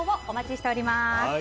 お待ちしております。